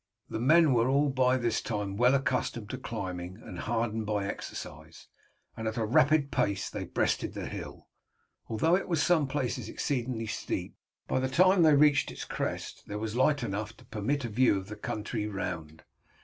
The men were all by this time well accustomed to climbing and hardened by exercise, and at a rapid pace they breasted the hill, although it was in some places exceedingly steep. By the time they reached its crest there was light enough to permit of a view of the country round.